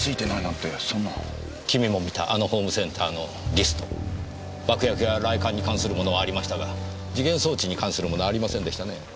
君も見たあのホームセンターのリスト爆薬や雷管に関するものはありましたが時限装置に関するものはありませんでしたね。